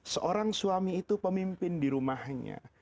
seorang suami itu pemimpin di rumahnya